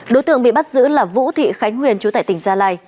đối tượng bị bắt giữ là vũ thị khánh huyền chú tại tỉnh gia lai